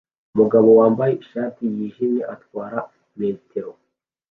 Umugabo wambaye ishati yijimye atwara metero